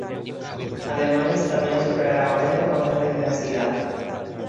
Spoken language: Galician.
Ademais, tamén soprará o vento con certa intensidade.